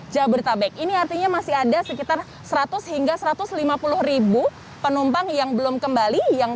jabodetabek ini artinya masih ada sekitar seratus hingga satu ratus lima puluh penumpang yang belum kembali yang